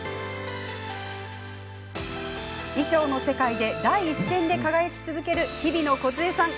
衣装の世界で第一線で輝き続けるひびのこづえさん。